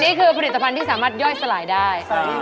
นี่คือผลิตภัณฑ์ที่สามารถย่อยสลายได้